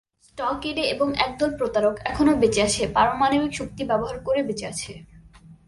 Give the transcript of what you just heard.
স্টকেডে এবং একদল প্রতারক এখনও বেঁচে আছে, পারমাণবিক শক্তি ব্যবহার করে বেঁচে আছে।